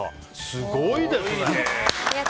すごいですね。